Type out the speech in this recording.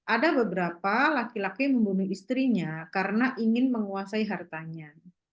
ada beberapa laki laki yang membunuh istrinya karena ingin menguasai hartanya